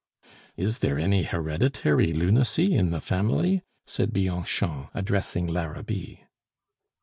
"Is there any hereditary lunacy in the family?" said Bianchon, addressing Larabit.